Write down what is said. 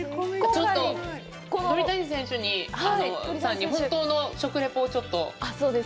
ちょっと鳥谷さんに本当の食レポをちょっと。